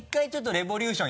「レボ☆リューション」